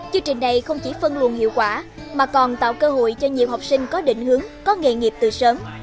chương trình này không chỉ phân luận hiệu quả mà còn tạo cơ hội cho nhiều học sinh có định hướng có nghề nghiệp từ sớm